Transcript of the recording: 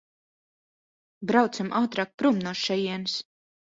Braucam ātrāk prom no šejienes!